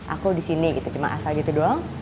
aku disini gitu cuman asal gitu doang